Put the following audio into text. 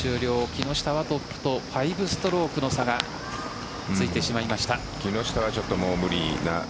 木下はトップと５ストロークの差がついてしまいました。